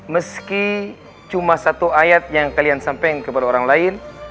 meski cuma satu ayat yang kalian sampaikan kepada orang lain